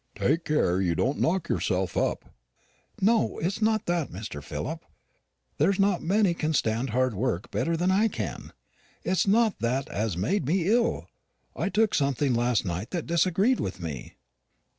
Take care you don't knock yourself up." "No; it's not that, Mr. Philip. There's not many can stand hard work better than I can. It's not that as made me ill. I took something last night that disagreed with me."